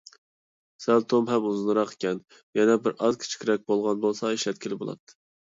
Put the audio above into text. سەل توم ھەم ئۇزۇنراق ئىكەن، يەنە بىرئاز كىچىكرەك بولغان بولسا ئىشلەتكىلى بولاتتى.